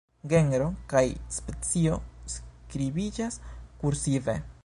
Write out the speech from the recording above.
Genro kaj specio skribiĝas kursive.